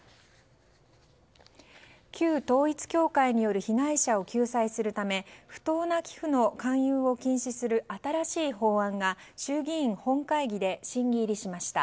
旧統一教会による被害者を救済するため不当な寄付の勧誘を禁止する新しい法案が衆議院本会議で審議入りしました。